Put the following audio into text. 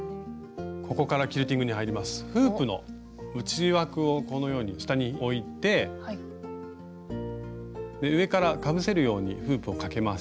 フープの内枠をこのように下に置いて上からかぶせるようにフープをかけます。